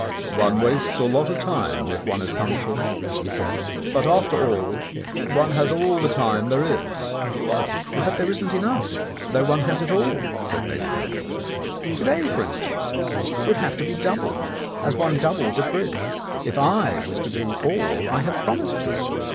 "One wastes a lot of time if one is punctual," he said. "But, after all, one has all the time there is." "But there isn't enough, though one has it all 1 " said Lady Hampshire. "To day, for instance, would have to be doubled, as one doubles at bridge, if I was to do all I have promised to."